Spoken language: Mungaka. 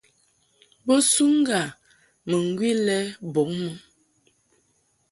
Bo suŋ ŋga mɨŋgwi lɛ bɔŋ mɨ.